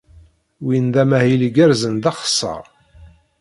Win d amahil igerrzen d axeṣṣar.